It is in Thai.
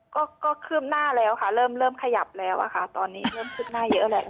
ก็ก็คืบหน้าแล้วค่ะเริ่มขยับแล้วอะค่ะตอนนี้เริ่มคืบหน้าเยอะแหละ